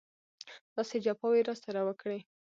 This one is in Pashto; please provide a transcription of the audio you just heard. داسې جفاوې یې راسره وکړې.